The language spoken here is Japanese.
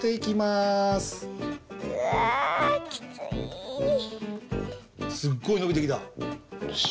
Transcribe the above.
すっごいのびてきた。